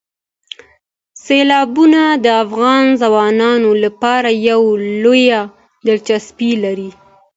سیلابونه د افغان ځوانانو لپاره یوه لویه دلچسپي لري.